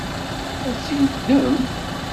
Ad tt-yeddem?